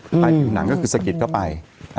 ภายผิวหนังก็คือสะกิดเข้าไป